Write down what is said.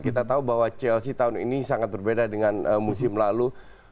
kita tahu bahwa chelsea tahun ini sangat berbeda dengan musim lalu